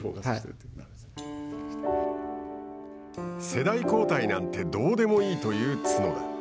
世代交代なんてどうでもいいという角田。